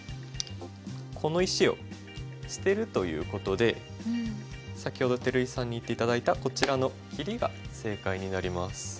この石を捨てるということで先ほど照井さんに言って頂いたこちらの切りが正解になります。